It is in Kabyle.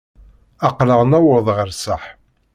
Aql-aɣ newweḍ ɣer ṣṣeḥ.